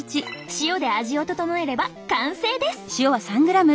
塩で味を調えれば完成です！